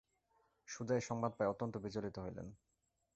সুজা এই সংবাদ পাইয়া অত্যন্ত বিচলিত হইলেন।